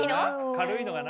軽いのがな。